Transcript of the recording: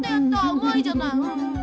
うまいじゃない。